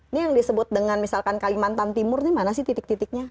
ini yang disebut dengan misalkan kalimantan timur ini mana sih titik titiknya